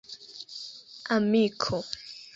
amiko